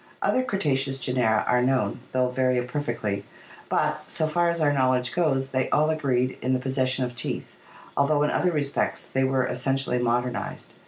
Other Cretaceous genera are known, though very imperfectly, but, so far as our knowledge goes, they all agreed in the possession of teeth, although in other respects they were essentially modernized.